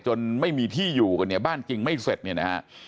ไม่มีที่อยู่กันเนี่ยบ้านจริงไม่เสร็จเนี่ยนะฮะ